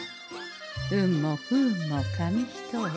運も不運も紙一重。